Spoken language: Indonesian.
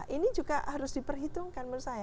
ini juga harus diperhitungkan menurut saya